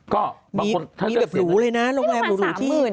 ก็บางคนถ้าเกิดเสียมีแบบหรูเลยนะโรงแรมหรูที่